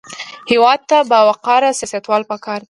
هېواد ته باوقاره سیاستوال پکار دي